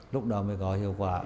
lúc đó mới có hiệu quả